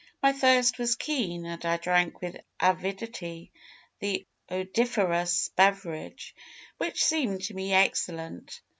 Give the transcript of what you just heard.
"My thirst was keen, and I drank with avidity the odoriferous beverage, which seemed to me excellent.